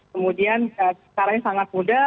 kemudian caranya sangat mudah